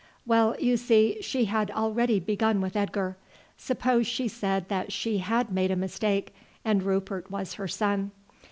Well, you see, she had already begun with Edgar. Suppose she said that she had made a mistake, and Rupert was her son.